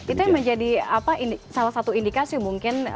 itu yang menjadi salah satu indikasi mungkin